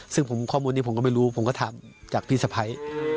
ซึ่งข้อมูลนี้ผมก็ไม่รู้ผมก็ถามจากพี่สะพ้าย